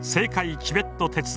チベット鉄道。